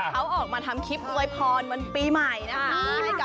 เขาออกมาทำคลิปอวยพรวันปีใหม่นะคะ